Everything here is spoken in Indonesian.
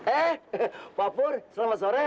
eh pak fur selamat sore